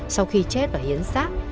sau khi chết và hiến xác